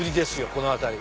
この辺り。